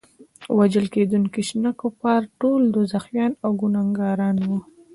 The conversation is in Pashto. وژل کېدونکي شنه کفار ټول دوزخیان او ګناهګاران وو.